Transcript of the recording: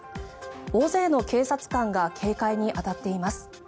大勢の警察官が警戒に当たっています。